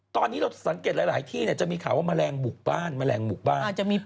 ตอนนี้เราสังเกตหลายที่จะมีข่าวว่าแมลงบุกบ้านแมลงบุกบ้าน